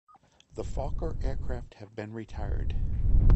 The Fokker aircraft have been retired.